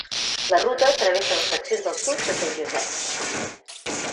La ruta travessa les seccions del sud de Saint Joseph.